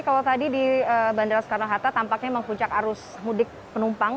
kalau tadi di bandara soekarno hatta tampaknya memang puncak arus mudik penumpang